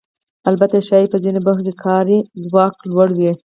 البته ښایي په ځینو برخو کې کاري ځواک لوړ وي